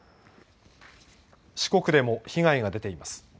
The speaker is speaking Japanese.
四国でも被害が出ています。